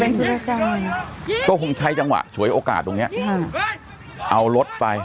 เป็นกิจกรรมก็คงใช้จังหวะฉวยโอกาสตรงเนี้ยอ่าเอารถไป